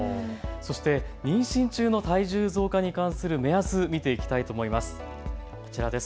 そして妊娠中の体重増加に関する目安を見ていきたいと思います。